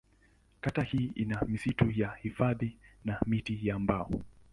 Kata hii ina misitu ya hifadhi na miti ya mbao.